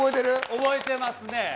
覚えてますね。